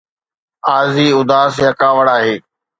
عارضي اداس يا ڪاوڙ آهي.